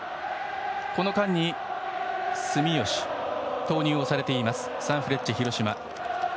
この間に住吉が投入されているサンフレッチェ広島。